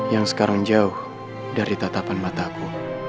yang sekarang jauh dari tatapan mataku